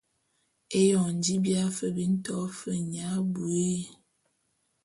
Eyon ji bia fe bi nto fe nya abuii.